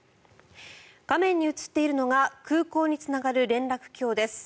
画面に映っているのが空港につながる連絡橋です。